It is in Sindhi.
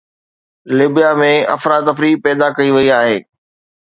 ليبيا ۾ افراتفري پيدا ڪئي وئي آهي.